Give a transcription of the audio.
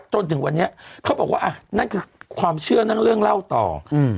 จนถึงวันนี้เขาบอกว่าอ่ะนั่นคือความเชื่อนั่งเรื่องเล่าต่ออืม